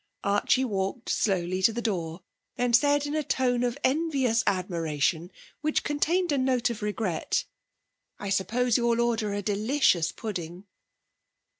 Archie walked slowly to the door, then said in a tone of envious admiration which contained a note of regret: 'I suppose you'll order a delicious pudding?'